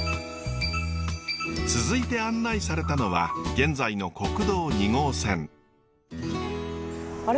続いて案内されたのは現在の国道２号線。